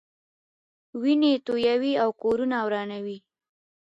وینې تویوي او کورونه ورانوي.